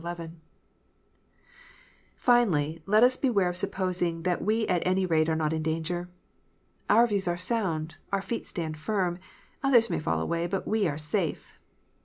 Finally, let us beware of supposing that we at any rate are not in danger. " Our views are sound : our feet stand firm : others may fall aAvay, but we are safe